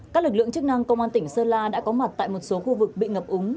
các lực lượng chức năng công an tỉnh sơn la đã có mặt tại một số khu vực bị ngập úng